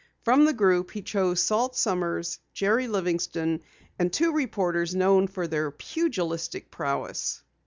From the group he chose Salt Sommers, Jerry Livingston, and two reporters known for their pugilistic prowess.